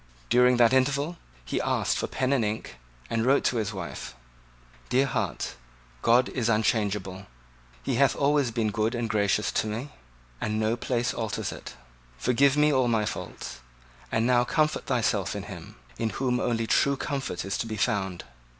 During that interval he asked for pen and ink, and wrote to his wife: "Dear heart, God is unchangeable: He hath always been good and gracious to me: and no place alters it. Forgive me all my faults; and now comfort thyself in Him, in whom only true comfort is to be found.